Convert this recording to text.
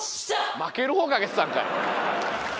負ける方賭けてたんかい。